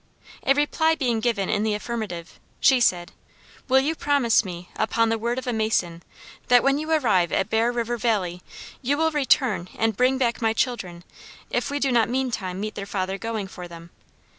A reply being given in the affirmative, she said, "will you promise me, upon the word of a mason, that when you arrive at Bear River Valley, you will return and bring back my children if we do not meantime meet their father going for them?"